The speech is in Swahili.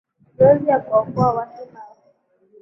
zoezi la kuwaokoa watu hao